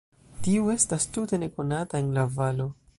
Tiu estas tute nekonata en la valo.